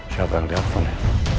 siapa yang telepon ya